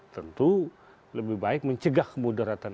tentu lebih baik mencegah kemudaratan